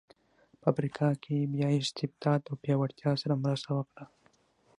په افریقا کې یې بیا استبداد او پیاوړتیا سره مرسته وکړه.